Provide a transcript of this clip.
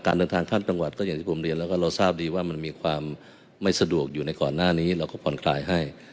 เดินทางข้ามจังหวัดก็อย่างที่ผมเรียนแล้วก็เราทราบดีว่ามันมีความไม่สะดวกอยู่ในก่อนหน้านี้เราก็ผ่อนคลายให้